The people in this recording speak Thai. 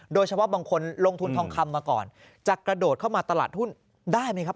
โดยเฉพาะบางคนลงทุนทองคำมาก่อนจะกระโดดเข้ามาตลาดหุ้นได้ไหมครับ